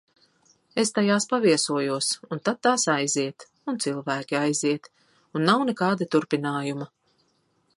Es tajās paviesojos, un tad tās aiziet. Un cilvēki aiziet. Un nav nekāda turpinājuma.